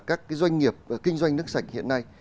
các cái doanh nghiệp kinh doanh nước sạch hiện nay